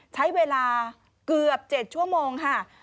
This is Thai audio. ใช้เวลาเกือบ๗ชั่วโมงค่ะ